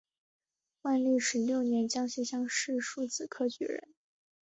万历十六年江西乡试戊子科举人。